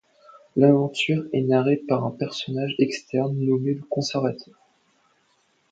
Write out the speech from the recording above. L'aventure est narrée par un personnage externe nommé le Conservateur.